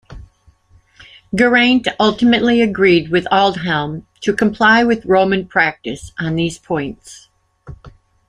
Geraint ultimately agreed with Aldhelm to comply with Roman practice on these points.